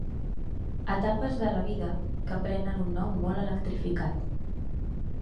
Etapes de la vida que prenen un nom molt electrificat.